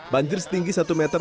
banjir setinggi satu meter